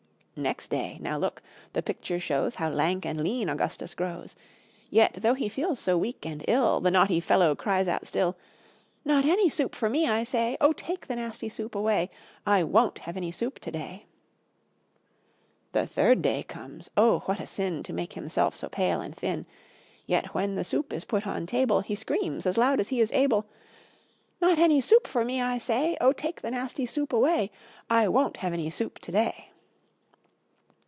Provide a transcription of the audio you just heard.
Next day, now look, the picture shows How lank and lean Augustus grows! Yet, though he feels so weak and ill, The naughty fellow cries out still "Not any soup for me, I say: O take the nasty soup away! I won't have any soup today." The third day comes: Oh what a sin! To make himself so pale and thin. Yet, when the soup is put on table, He screams, as loud as he is able, "Not any soup for me, I say: O take the nasty soup away! I WON'T have any soup today."